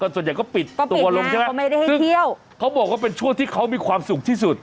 ส่วนใหญ่ก็ปิดตัวลงใช่ไหมซึ่งเขาบอกว่าเป็นช่วงที่เขามีความสุขที่สุด